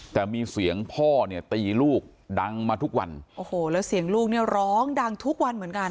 แต่มีเสียงพ่อเนี่ยตีลูกดังมาทุกวันโอ้โหแล้วเสียงลูกเนี่ยร้องดังทุกวันเหมือนกัน